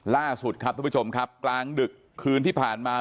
ล่าสุดครับทุกผู้ชมครับกลางดึกคืนที่ผ่านมา